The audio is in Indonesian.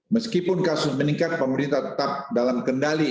meskipun kasus meningkat pemerintah tetap dalam kendali